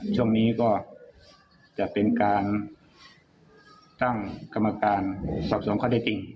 ช่วงนี้ก็จะเป็นการตั้งกรรมการสอบส่วนข้อได้จริง